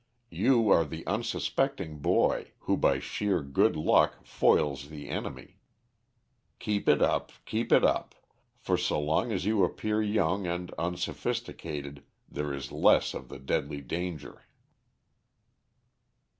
You are the unsuspecting boy, who by sheer good luck foils the enemy. Keep it up, keep it up; for so long as you appear young and unsophisticated, there is less of the deadly danger."